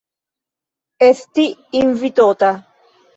Esti invitota.